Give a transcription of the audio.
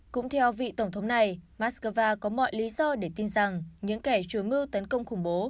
cũng theo vị tổng thống này moscow có mọi lý do để tin rằng những kẻ chối mưu tấn công khủng bố